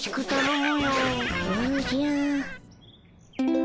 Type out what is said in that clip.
おじゃ。